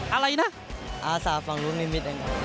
อะไรนะอาสาฝังลูกนิมิตสิครับ